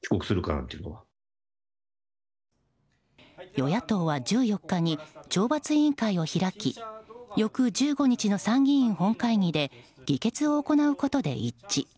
与野党は１４日に懲罰委員会を開き翌１５日の参議院本会議で議決を行うことで一致。